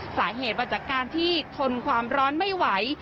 สาเหตุมาจากการที่ทนความร้อนไม่ไหว